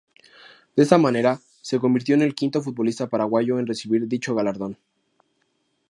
De esta manera, se convirtió en el quinto futbolista paraguayo en recibir dicho galardón.